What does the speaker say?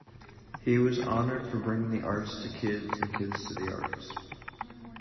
He was honored for bringing the arts to kids and kids to the arts.